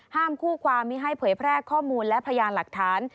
คู่ความมีให้เผยแพร่ข้อมูลและพยานหลักฐาน